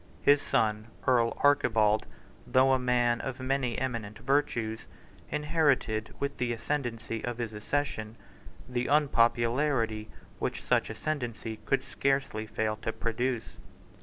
His son, Earl Archibald, though a man of many eminent virtues, inherited, with the ascendancy of his ancestors, the unpopularity which such ascendancy could scarcely fail to produce.